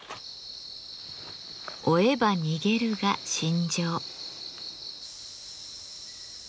「追えば逃げる」が信条。